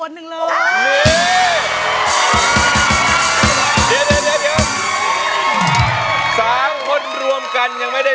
ชุดนี้โอ้วครับโอ้วไหมครับโอ้วกันนะอย่าใส่นะ